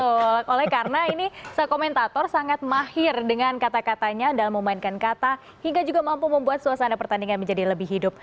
betul oleh karena ini sekomentator sangat mahir dengan kata katanya dalam memainkan kata hingga juga mampu membuat suasana pertandingan menjadi lebih hidup